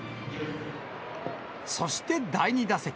そして、第２打席。